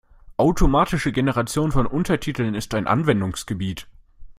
Automatische Generation von Untertiteln ist ein Anwendungsgebiet.